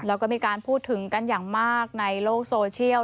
แล้วก็มีการพูดถึงกันอย่างมากในโลกโซเชียล